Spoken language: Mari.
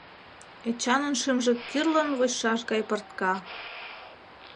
Эчанын шӱмжӧ кӱрлын вочшаш гай пыртка.